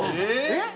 えっ！？